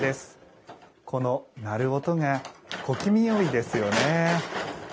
この鳴る音が小気味よいですよね。